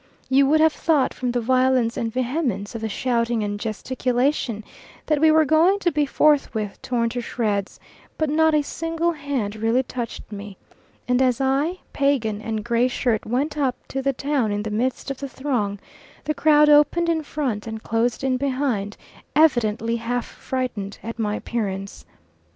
You would have thought, from the violence and vehemence of the shouting and gesticulation, that we were going to be forthwith torn to shreds; but not a single hand really touched me, and as I, Pagan, and Gray Shirt went up to the town in the midst of the throng, the crowd opened in front and closed in behind, evidently half frightened at my appearance.